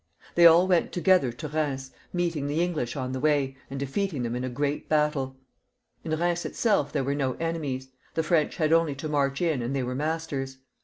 They all went together to Eheims ; meeting the English on the way, and defeating them in a great battle. In Sheims itseU there were no enemies ; the French had only to march in, and they were masters.